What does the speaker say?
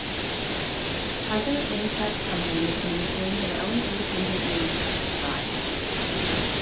Other inset companies maintain their own independent means of supply.